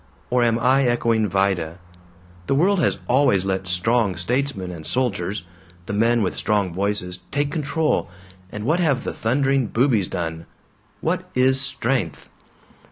Or am I echoing Vida? The world has always let 'strong' statesmen and soldiers the men with strong voices take control, and what have the thundering boobies done? What is 'strength'?